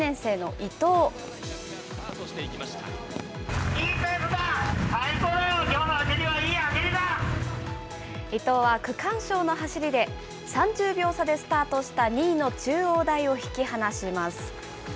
伊藤は区間賞の走りで、３０秒差でスタートした２位の中央大を引き離します。